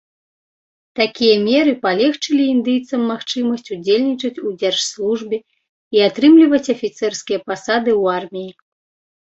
Такія меры палегчылі індыйцам магчымасць удзельнічаць у дзяржслужбе, і атрымліваць афіцэрскія пасады ў арміі.